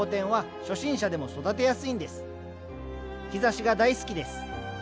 日ざしが大好きです。